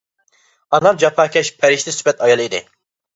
ئانام جاپاكەش، پەرىشتە سۈپەت ئايال ئىدى.